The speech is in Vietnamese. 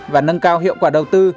và nâng cao hiệu quả đầu tư